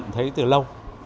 tôi cũng thấy từ lâu